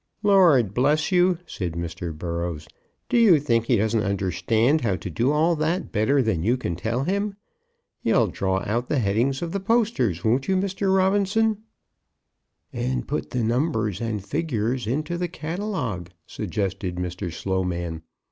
"Lord bless you!" said Mr. Burrows. "Do you think he doesn't understand how to do all that better than you can tell him? You'll draw out the headings of the posters; won't you, Mr. Robinson?" "And put the numbers and figures into the catalogue," suggested Mr. Sloman.